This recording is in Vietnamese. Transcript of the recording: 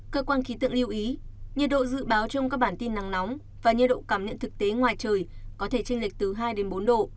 cơ quan khí tượng lưu ý nhiệt độ dự báo trong các bản tin nắng nóng và nhiệt độ cảm nhận thực tế ngoài trời có thể tranh lệch từ hai đến bốn độ